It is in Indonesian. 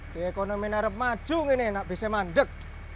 di ekonomi narap macung ini gak bisa mandek